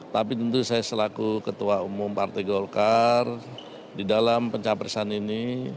tapi tentu saya selaku ketua umum partai golkar di dalam pencapresan ini